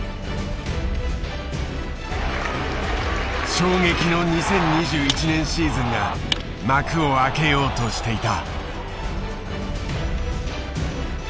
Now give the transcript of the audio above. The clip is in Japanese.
衝撃の２０２１年シーズンが幕を開けようとしていた。